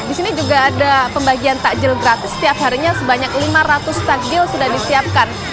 di sini juga ada pembagian takjil gratis setiap harinya sebanyak lima ratus takjil sudah disiapkan